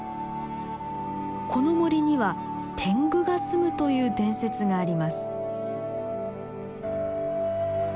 この森には天狗が住むという伝説があります。